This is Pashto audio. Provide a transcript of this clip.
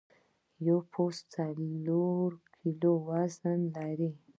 پوست څلور کیلو وزن لري.